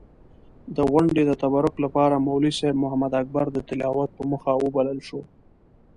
د غونډې د تبرک لپاره مولوي صېب محمداکبر د تلاوت پۀ موخه وبلل شو.